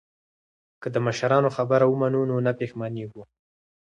که د مشرانو خبره ومنو نو نه پښیمانیږو.